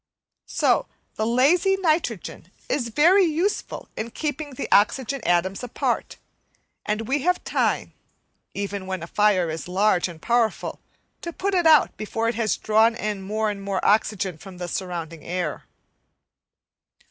So the lazy nitrogen is very useful in keeping the oxygen atoms apart; and we have time, even when a fire is very large and powerful, to put it out before it has drawn in more and more oxygen from the surrounding air.